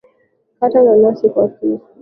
Kata nanasi kwa kisu.